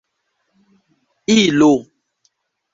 ilo